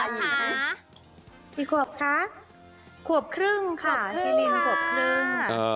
ขวบครึ่งค่ะชิลินขวบครึ่งค่ะค่ะค่ะค่ะค่ะค่ะค่ะ